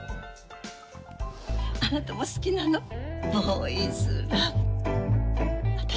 あなたも好きなの？